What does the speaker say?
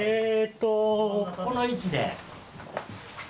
えとこの位置で。